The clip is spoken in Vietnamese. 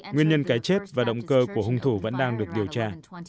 nguyên nhân cái chết và động cơ của hung thủ vẫn đang được điều tra